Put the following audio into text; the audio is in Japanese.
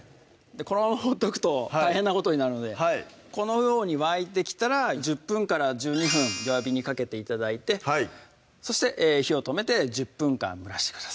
このままほっとくと大変なことになるのでこのように沸いてきたら１０１２分弱火にかけて頂いてそして火を止めて１０分間蒸らしてください